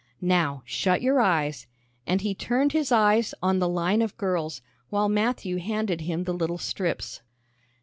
"Now shut your eyes," and he turned his eyes on the line of girls, while Matthew handed him the little strips.